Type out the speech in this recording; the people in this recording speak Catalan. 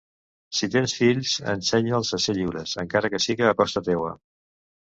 Si tens fills, ensenya'ls a ser lliures. Encara que siga a costa teua.